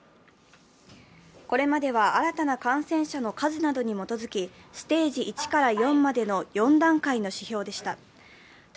これまでは新たな感染者の数などに基づきステージ１から４までの４段階の指標でした。